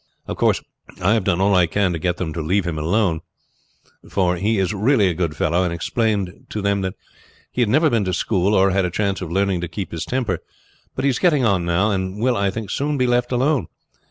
"Of course I have done all I can to get them to leave him alone, for he is really a good fellow, and explained to them that he had never been to school, or had a chance of learning to keep his temper. But he is getting on now, and will, I think, soon be left alone.